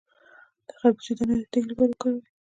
د خربوزې دانه د تیږې لپاره وکاروئ